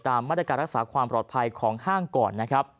ตามมาตรการรักษาความปลอดภัยของห้างก่อน